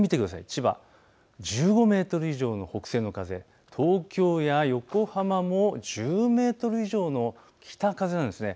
千葉１５メートル以上の北西の風、東京や横浜も１０メートル以上の北風なんです。